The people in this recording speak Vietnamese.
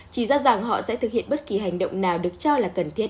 chỉ ra rằng họ sẽ thực hiện bất kỳ hành động nào được cho là cần thiết